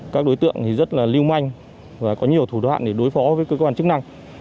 các đối tượng rất lưu manh và có nhiều thủ đoạn để đối phó với cơ quan chức năng